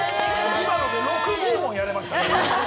今ので６０問やりました。